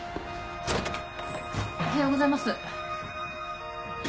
おはようございます。